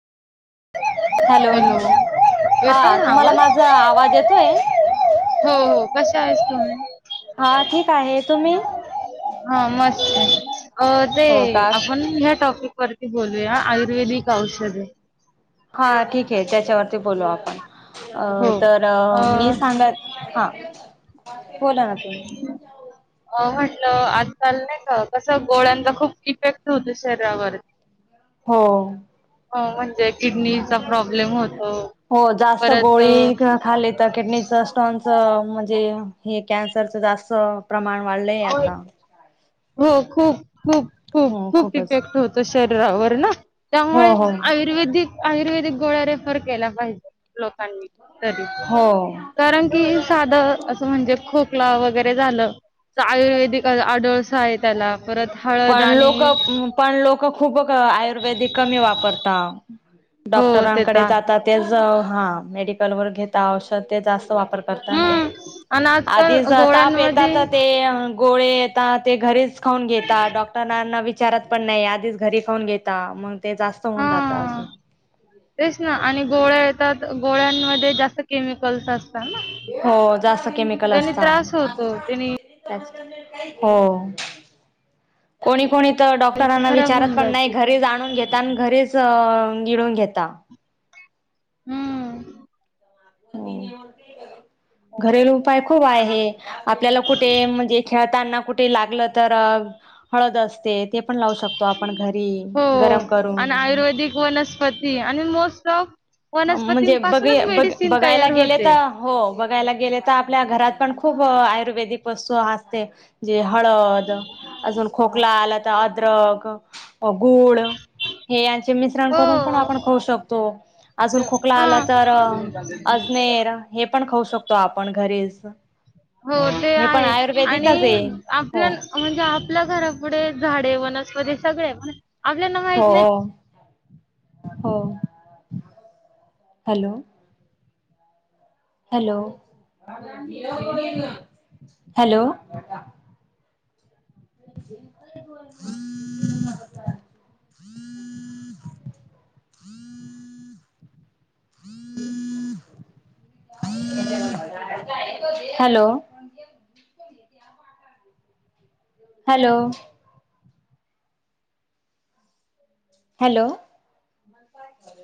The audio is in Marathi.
हॅलो हा येतोय ना तुम्हाला आवाज माझा आवाज येतोय हो हो कशा आहेस तुम्ही हा ठीक आहे तुम्ही. हा मस् अ ते हो का आपण घ्या टक वरती बोलूया आयुर्वेदिक औषधे हा ठीकआहे त्याच्यावरती बोलू आपण नाही ग हो अ तर अ मी सांगाल हा काय बोलाना तुम्ही अ म्हटलं आजकाल नाहीका कस गोळ्यांचा खूप इफेक्ट होतो शरीरावर हो.. हो म्हणजे? किडनीचा प्रॉब्लेम होतो हो जास्त परत अ, गोळी खाल्ली तर किडनीच स्टोनच म्हणजे हे कॅन्सरचं जास्त अ प्रमाण वाळलय आता हो खूप खूप खूप. हो खूप खूपच इफेक्ट होत शरीरावर ना हो त्यामुळे हो आयुर्वेदिक आयुर्वेदिक गोळ्या रेफर केल्या पाहिजे लोकांनी तरी हो कारण की ही साधं असं म्हणजे खोकला वगैरे झालं का आयुर्वेदिक आढळसा आहे त्याला परत हळद पण लोक आणि हम पण लोक खूपक आयुर्वेदिक कमी वापरता हो ते डॉक्टरांकडे तर जाता तेज हा मेडिकल वर घेता औषध ते जास्त वापर [unintelligible] करताना हम्म आणि आजकाल आधी ज ताप गोळ्यांमध्ये येतात ते गोळे येतात ते घरीच खाऊन घे त्या डॉक्टरांना विचारत पण नाही आधीच घरी खाऊन घेता मग ते जास्त हा होऊन जातं अजून. तेच ना आणि गोळ्या येतात गोळ्यांमध्ये जास्त केमिकल्स अस हो, जास्त केमिकल असता त्रास होतो त्याने त्याच्या हो, कोणी कोणी तर डॉक्टरांना खराब विचारत होऊन पण नाही, जाते घरीच आणून घेता आणि घरीच गिळून घेता हम्म. हो. घरेलू उपाय खूप आहे, आपल्याला कुटे म्हणजे खेळताना कुट ते लागलं तर अ हळद असते. ते पण लावू शकतो आपण घरी हो, गरम करून आन आयुर्वेदिक वनस्पती आणि मोस्ट ऑफ अं म्हणजे बबे वनस्पतींपासूनच बग मेडिसिन बघायला तयार गेले, होते तर हो बघायला गेले तर आपल्या घरात पण खु खूप आयुर्वेदिक वस्तू आसते. जे हळद अजून खोकला आला त अद्रक अ गुड हे याचे मिश्रण हो करून पण आपण खाऊ शकतो. अजून खोकला आला, हा तर अजमेर हे पण खाऊ शकतो आपण [unintelligible] हो ते हे पण आहे आणि आयुर्वेदिकच आहे आपल्या हो. अ म्हणजे आपल्या घरापुढे झाडे वनस्पती सगळे म्हण आपल्यांना माहित हो नाही हो, hello! Hello hello! Hello! Hello! Hello!